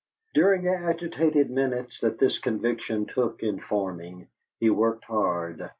During the agitated minutes that this conviction took in forming, he worked hard.